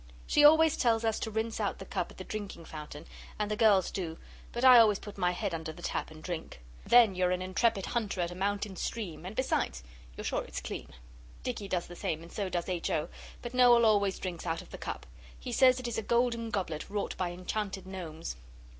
She always tells us to rinse out the cup at the drinking fountain, and the girls do; but I always put my head under the tap and drink. Then you are an intrepid hunter at a mountain stream and besides, you're sure it's clean. Dicky does the same, and so does H. O. But Noel always drinks out of the cup. He says it is a golden goblet wrought by enchanted gnomes.